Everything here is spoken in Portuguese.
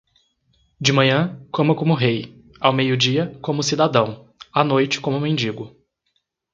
De manhã, coma como rei, ao meio-dia, como cidadão, à noite como mendigo.